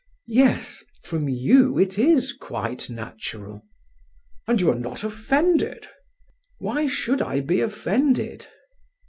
"Yes... from you it is quite natural." "And you are not offended?" "Why should I be offended?"